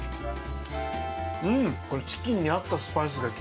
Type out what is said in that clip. うん。